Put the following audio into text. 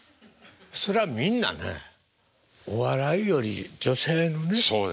そらみんなねお笑いより女性のね